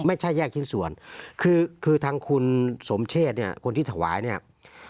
ไม่ใช่แยกชิ้นส่วนคือคือทางคุณสมเชษเนี่ยคนที่ถวายเนี่ย